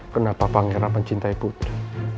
kenapa pangeran mencintai putri